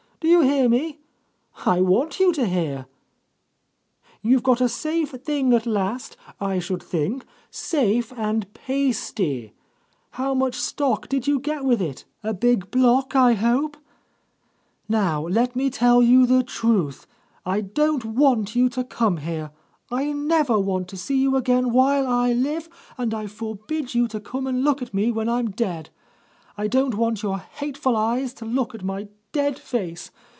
Do you hear me? I want you to hear !... You've got a safe thing at last, 1 should think; safe and pasty ! How much stock did you get with it ? A big block, I hope 1 Now let me tell you the truth : I don't want you to come here 1 I never want to see you again while I live, and I forbid you to come and look at me when I'm dead. I don't want your hateful eyes to look at my dead face.